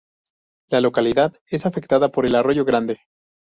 La localidad es afectada por el arroyo Grande.